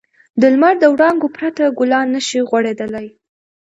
د لمر د وړانګو پرته ګلان نه شي غوړېدلی.